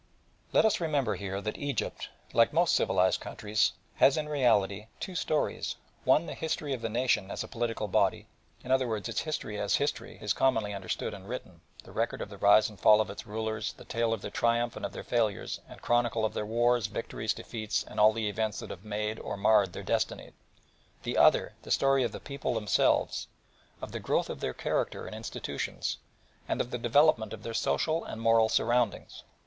Let us remember here that Egypt, like most civilised countries, has in reality two stories, one the history of the nation as a political body; in other words, its history as history is commonly understood and written, the record of the rise and fall of its rulers, the tale of their triumph and of their failures, and chronicle of their wars, victories, defeats, and all the events that have made or marred their destinies: the other the story of the people themselves, of the growth of their character and institutions, and of the development of their social and moral surroundings.